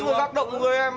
công an phòng ngay đây mà